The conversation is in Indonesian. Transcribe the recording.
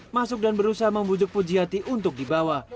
masuk dan berusaha membujuk puji hati untuk dibawa